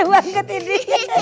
ini banget ini